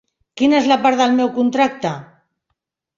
Quina és la part del meu contracte?